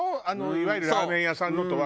いわゆるラーメン屋さんのとは。